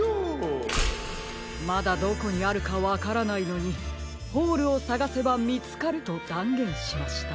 まだどこにあるかわからないのに「ホールをさがせばみつかる」とだんげんしました。